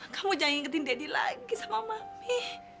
kamu jangan ingetin deddy lagi sama mami